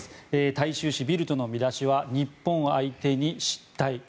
大衆紙ビルトの見出しは日本を相手に失態。